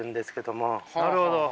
なるほど。